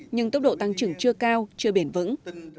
nhưng tốc độ tăng trưởng chưa cao chưa bền vững